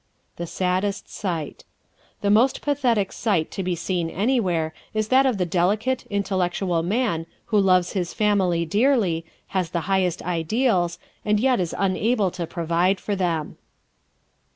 The Saddest Sight ¶ The most pathetic sight to be seen anywhere is that of the delicate, intellectual man who loves his family dearly, has the highest ideals and yet is unable to provide for them.